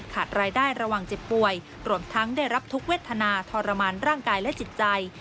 กรวมทั้งได้รับทุกเวทธนาทรมานร่างกายและจิตใจ